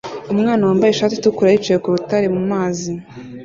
Umwana wambaye ishati itukura yicaye ku rutare mu mazi